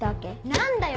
何だよ